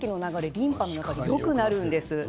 リンパの流れがよくなるんです。